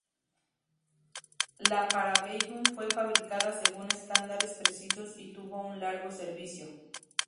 La Parabellum fue fabricada según estándares precisos y tuvo un largo servicio.